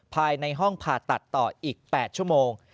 ภายในห้องผ่าตัดต่ออีก๘ชั่วโมง